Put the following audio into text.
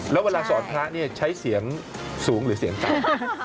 แล้วเวลาสอนพระเนี่ยใช้เสียงสูงหรือเสียงต่ำ